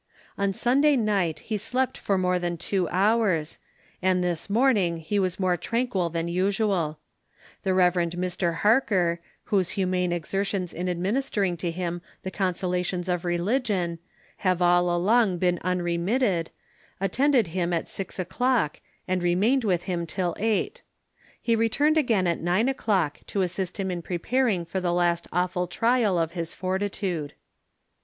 On Sunday night he slept for more than two hours; and this morning he was more tranquil than usual. The Rev. Mr Harker, whose humane exertions in administering to him the consolations of religion, have all along been unremitted, attended him at 6 o'clock, and remained with him till eight. He returned again at nine o'clock, to assist him in preparing for the last awful trial of his fortitude.